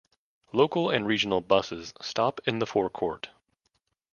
Local and regional buses stop in the forecourt.